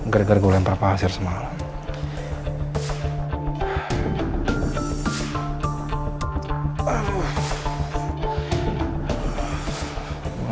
gara gara gue lempar pasir semalam